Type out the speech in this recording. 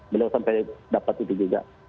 beliau sampai dapat itu juga